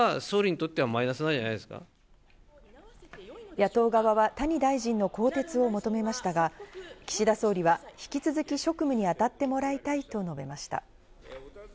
野党側は谷大臣の更迭を求めましたが、岸田総理は引き続き、職務に当たってもらいたいと述べました。